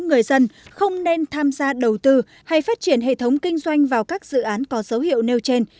người dân không nên tham gia đầu tư hay phát triển hệ thống kinh doanh vào các dự án có dấu hiệu nêu trên